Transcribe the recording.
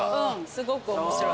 すごく面白い。